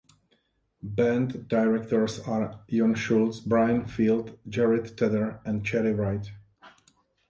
Band directors are Jon Shultz, Bryan Field, Jarrett Tedder, and Cheri Wright.